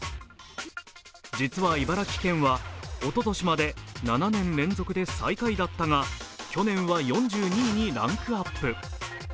実は茨城県は、おととしまで７年連続で最下位だったが去年は４２位にランクアップ。